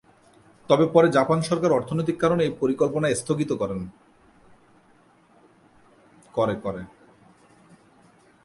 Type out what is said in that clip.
তবে পরে জাপান সরকার অর্থনৈতিক কারণে এই পরিকল্পনা স্থগিত করে।